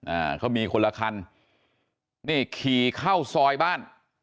อ่าเขามีคนละคันนี่ขี่เข้าซอยบ้าน